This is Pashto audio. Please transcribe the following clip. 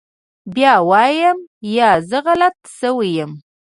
بيا وايم يه زه غلط سوى يم.